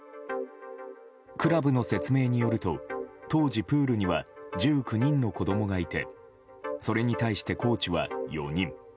クラブの説明によると当時、プールには１９人の子供がいてそれに対してコーチは４人。